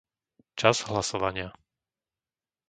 Čas hlasovania